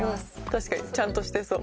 確かにちゃんとしてそう。